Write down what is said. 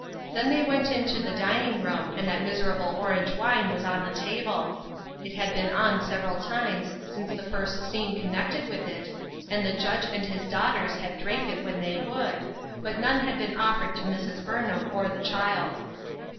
Then they went into the dining room, and that miserable orange wine was on the table. It had been on several times since the first scene connected with it, and the Judge and his daughters had drank it when they would, but none had been offered to Mrs. Burnham or the child.